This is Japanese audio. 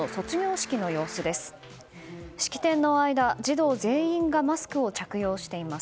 式典の間、児童全員がマスクを着用しています。